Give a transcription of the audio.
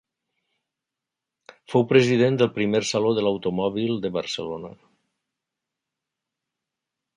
Fou president del primer Saló de l'Automòbil de Barcelona.